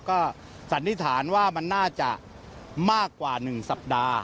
ก็สันนิษฐานว่ามันน่าจะมากกว่า๑สัปดาห์